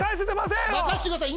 任してください